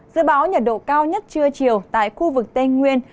dự báo nhiệt độ cao nhất trưa chiều tại khu vực tây nguyên